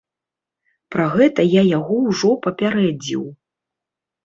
Пра гэта я яго ўжо папярэдзіў.